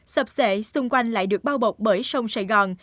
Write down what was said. sập sệ xung quanh lại được bao bọc bởi sông sài gòn